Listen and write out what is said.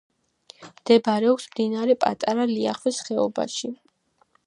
მდებარეობს მდინარე პატარა ლიახვის ხეობაში.